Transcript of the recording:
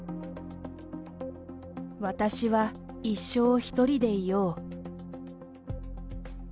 私は一生、１人でいよう。